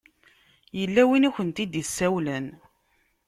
Yella win i akent-id-isawlen.